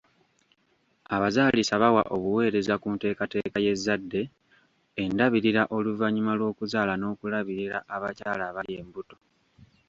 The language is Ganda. Abazaalisa bawa obuweereza ku nteekateeka y'ezzadde, endabirira oluvannyuma lw'okuzaala n'okulabirira abakyala abali embuto.